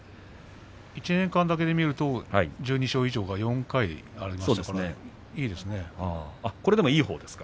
１年間だけで見ると１２勝以上が４回あるんですねいいですね。